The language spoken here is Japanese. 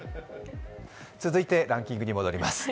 続いてランキングに戻ります。